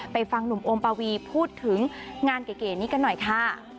ฟังหนุ่มโอมปาวีพูดถึงงานเก๋นี้กันหน่อยค่ะ